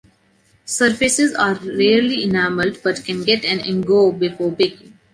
Surfaces are rarely enameled but can get an engobe before baking.